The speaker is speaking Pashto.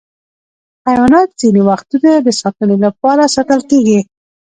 حیوانات ځینې وختونه د ساتنې لپاره ساتل کېږي.